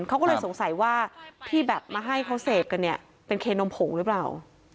เขาก็เลยสงสัยว่าที่แบบมาให้เขาเสพกันเนี่ยเป็นเคนมผงหรือเปล่า